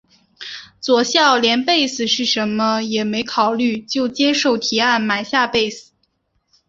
佐孝连贝斯是甚么也没考虑就接受提案买下贝斯。